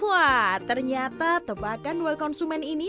wah ternyata tebakan duel konsumen ini